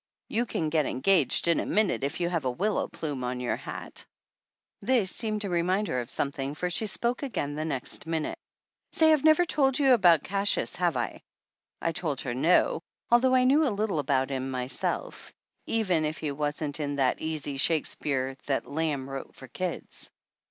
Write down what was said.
You can get engaged in a minute if you have a willow plume on your hat !" This seemed to remind her of something, for she spoke again the next minute. "Say, I've never told you about Cassius, have I?" I told her no, although I knew a little about him myself, even if he wasn't in that easy Shakespeare that Lamb wrote for kids.